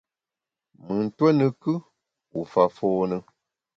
Mùn tuo ne kù, u fa fône.